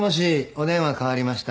お電話代わりました。